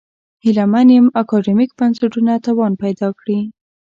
هیله من یم اکاډمیک بنسټونه توان پیدا کړي.